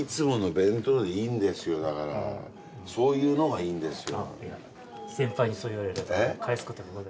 そういうのがいいんですよ。